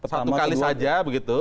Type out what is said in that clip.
satu kali saja begitu